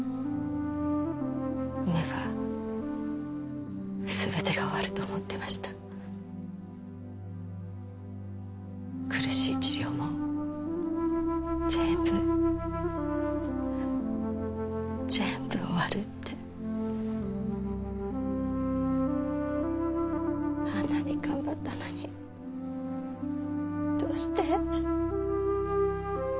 産めばすべてが終わると思ってました苦しい治療も全部全部終わるってあんなにがんばったのにどうして？